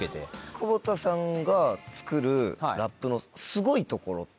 久保田さんが作るラップのすごいところ。